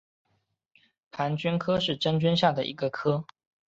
盘菌科是真菌下的一个科。